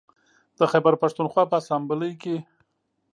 د خیبر پښتونخوا په اسامبلۍ کې